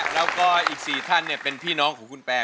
แล้วก็อีก๔ท่านเป็นพี่น้องของคุณแปร